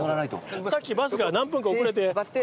さっきバスが何分か遅れて。